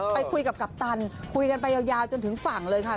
ไปคุยกับกัปตันคุยกันไปยาวจนถึงฝั่งเลยค่ะ